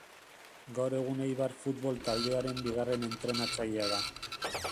Gaur egun Eibar futbol taldearen bigarren entrenatzailea da.